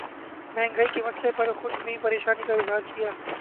مہنگائی کے مسئلے پر خود بھی پریشانی کا اظہار کیا